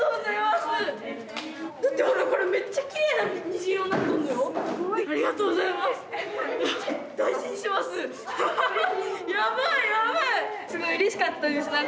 すごいうれしかったです。